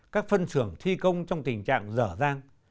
các phân xưởng thi công trong tình trạng dở dang